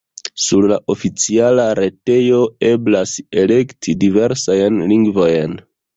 Sur la oficiala retejo eblas elekti diversajn lingvojn.